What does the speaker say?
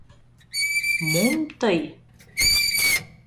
Мом тый...